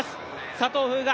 佐藤風雅